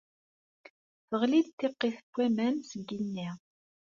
Teɣli-d tiqit n waman seg igenni.